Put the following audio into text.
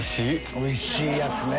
おいしいやつね。